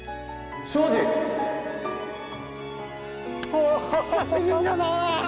おおっ久しぶりだな！